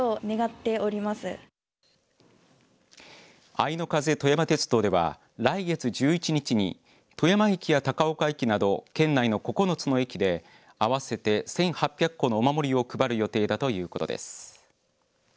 あいの風とやま鉄道では来月１１日に富山駅や高岡駅など県内の９つの駅で合わせて１８００個のお守りを配る予定だということです。